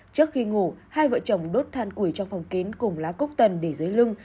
trước khi ngủ hai vợ chồng đốt than củi trong phòng kín cùng lá cốc tần để dưới lưng